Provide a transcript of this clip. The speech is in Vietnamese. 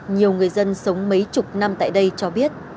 nhiều người dân sống mấy chục năm tại đây cho biết